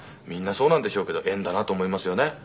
みんなそうなんでしょうけど縁だなと思いますよね。